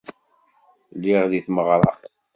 Lliɣ di tmeɣra.